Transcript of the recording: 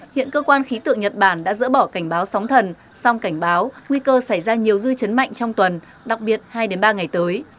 hiện cơ quan khí tượng nhật bản đã dỡ bỏ cảnh báo sóng thần song cảnh báo nguy cơ xảy ra nhiều dư chấn mạnh trong tuần đặc biệt hai ba ngày tới